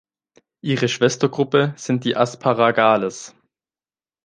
Ihre Schwestergruppe sind die Asparagales.